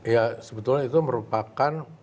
ya sebetulnya itu merupakan